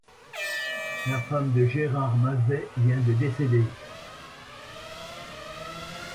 La femme de Gérard Mazet vient de décéder.